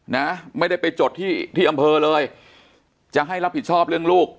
นะไม่ได้ไปจดที่ที่อำเภอเลยจะให้รับผิดชอบเรื่องลูก